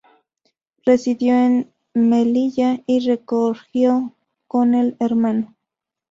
Residió en Melilla y recogió con el Hno.